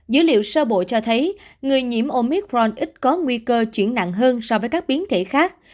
dữ liệu sơ bộ cho thấy người nhiễm omic ron ít có nguy cơ chuyển nặng hơn so với các biến thể khác